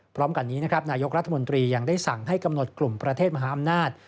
พร้อมกันนี้นะครับนายกรัฐมนตรียังได้สั่งให้กำหนดกลุ่มประเทศมหาอำนาจ